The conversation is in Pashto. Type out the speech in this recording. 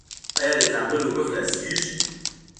آیا د کابل اوبه خلاصیږي؟